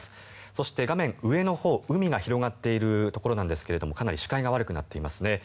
そして、画面上のほう海が広がっているところですがかなり視界が悪くなっていますね。